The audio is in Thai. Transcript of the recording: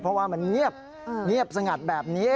เพราะว่ามันเงียบสงัดแบบนี้